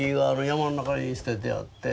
山の中に捨ててあって。